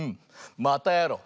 またやろう！